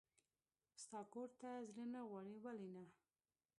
ستا کور ته زړه نه غواړي؟ ولې نه.